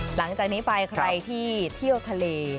หลังจากนี้ไปใครที่เที่ยวทะเล